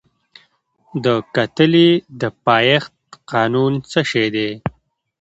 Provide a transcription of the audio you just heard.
د کتلې د پایښت قانون څه شی دی؟